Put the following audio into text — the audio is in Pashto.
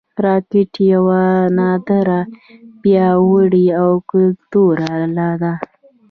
راکټ یوه نادره، پیاوړې او ګټوره اله ده